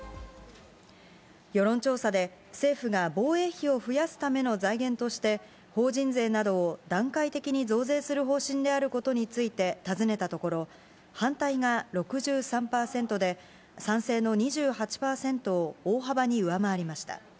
世論調査で、政府が防衛費を増やすための財源として、法人税などを段階的に増税する方針であることについて尋ねたところ、反対が６３％で、賛成の２８％を大幅に上回りました。